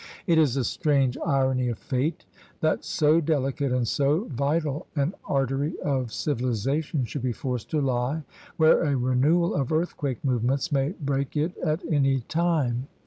It is a strange irony of fate that so delicate and so vital an artery of civilization should be forced to lie where a renewal of earthquake movements may break it at any time.